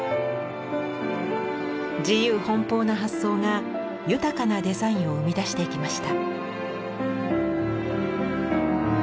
自由奔放な発想が豊かなデザインを生み出していきました。